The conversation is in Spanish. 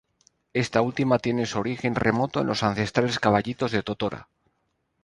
Esta última tiene su origen remoto en los ancestrales caballitos de totora.